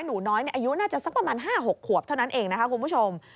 หนูน้อยอายุน่าจะสักประมาณ๕๖ขวบเท่านั้นเองนะคะคุณผู้ชม